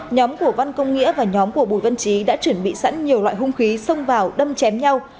nhóm của văn công nghĩa và nhóm của bùi văn trí đã chuẩn bị sẵn nhiều loại hung khí xông vào đâm chém nhau